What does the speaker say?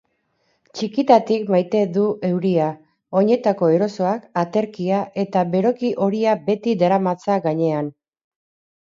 Txikitatik maite du euria; oinetako erosoak, aterkia eta beroki horia beti daramatza gainean.